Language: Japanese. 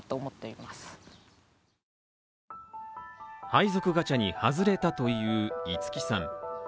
配属ガチャに外れたという、いつきさん。